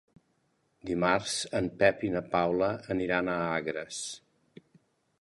Dimarts en Pep i na Paula aniran a Agres.